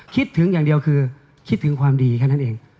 คิดถึงอย่างเดียวคือคิดถึงความดีแค่นั้นเอง